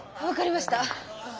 分かりました。